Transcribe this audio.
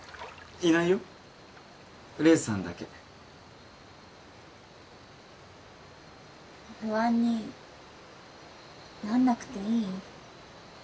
いないよ黎さんだけ不安になんなくていい？